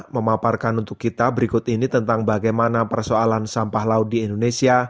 memaparkan untuk kita berikut ini tentang bagaimana persoalan sampah laut di indonesia